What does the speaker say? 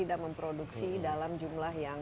tidak memproduksi dalam jumlah yang